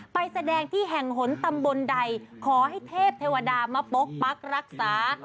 ไปแสดงที่แห่งหนตำบลใดขอให้เทพเทวดามาปกปั๊กรักษา